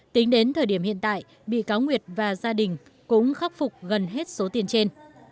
tính đến thời điểm hiện tại bị cáo nguyệt và gia đình cũng khắc phục gần hết số tiền trên